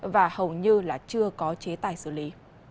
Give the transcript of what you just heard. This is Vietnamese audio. và hầu như chưa có chế tài xử lý